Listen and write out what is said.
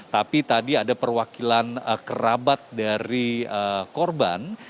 tapi tadi ada perwakilan kerabat dari korban